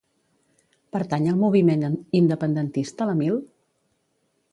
Pertany al moviment independentista l'Emil?